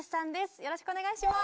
よろしくお願いします。